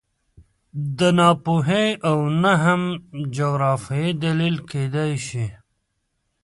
نه ناپوهي او نه هم جغرافیه دلیل کېدای شي